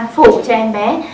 phụ cho em bé